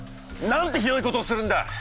なんてひどいことをするんだ！